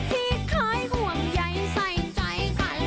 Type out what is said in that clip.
ที่เคยห่วงใยใส่ใจกัน